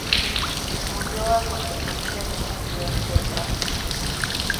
Murió a consecuencia de un accidente de tráfico.